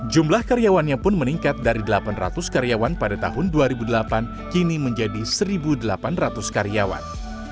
jumlah karyawannya pun meningkat dari delapan ratus karyawan pada tahun dua ribu delapan kini menjadi satu delapan ratus karyawan